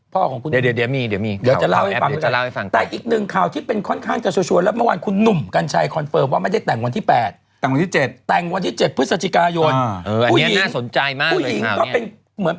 ผู้หญิงก็เป็นเหมือน